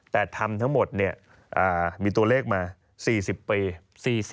แต่ทำทั้งหมดมีตัวเลขมา๔๐ปี